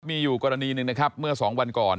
มีอยู่กรณีหนึ่งนะครับเมื่อ๒วันก่อน